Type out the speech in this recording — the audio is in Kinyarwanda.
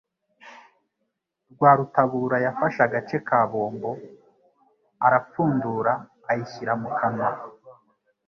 Rwarutabura yafashe agace ka bombo, arapfundura ayishyira mu kanwa.